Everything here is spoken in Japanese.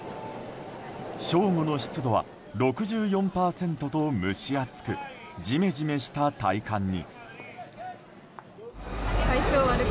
正午の湿度は６４％と蒸し暑くジメジメした体感に。